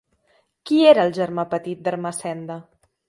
Qui era el germà petit d'Ermessenda?